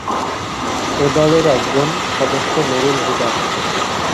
এ দলের একজন সদস্য নুরুল হুদা।